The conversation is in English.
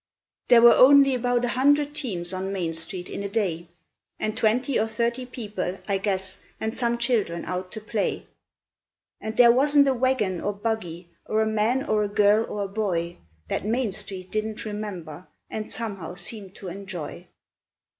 There were only about a hundred teams on Main Street in a day, And twenty or thirty people, I guess, and some children out to play. And there wasn't a wagon or buggy, or a man or a girl or a boy That Main Street didn't remember, and somehow seem to enjoy.